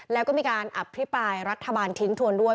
แล้วก็มีการอภิปรายรัฐบาลทิ้งทวนด้วย